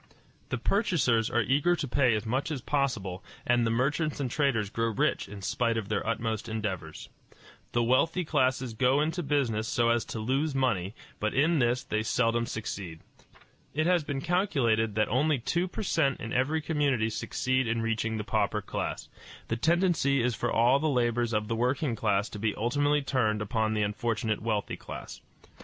The purchasers are eager to pay as much as possible, and the merchants and traders grow rich in spite of their utmost endeavors. The wealthy classes go into business so as to lose money, but in this they seldom succeed. It has been calculated that only two per cent in every community succeed in reaching the pauper class. The tendency is for all the labors of the working class to be ultimately turned upon the unfortunate wealthy class.